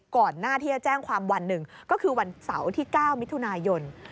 ก่อนหน้าที่จะแจ้งความวันหนึ่งก็คือวันเสาร์ที่๙มิถุนายน